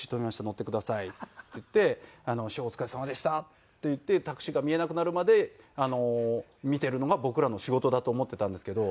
乗ってください」って言って「師匠お疲れさまでした」って言ってタクシーが見えなくなるまで見ているのが僕らの仕事だと思っていたんですけど。